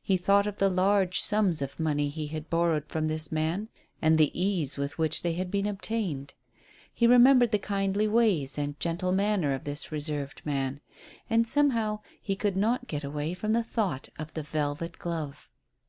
He thought of the large sums of money he had borrowed from this man, and the ease with which they had been obtained. He remembered the kindly ways and gentle manner of this reserved man, and somehow he could not get away from the thought of the velvet glove.